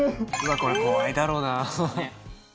これ怖いだろうなあ